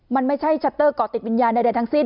มันไม่ใช่ชัตเตอร์ก่อติดวิญญาณใดทั้งสิ้น